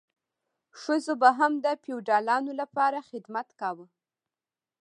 ښځو به هم د فیوډالانو لپاره خدمت کاوه.